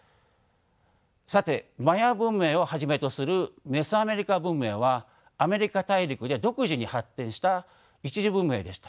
さてマヤ文明をはじめとするメソアメリカ文明はアメリカ大陸で独自に発展した一次文明でした。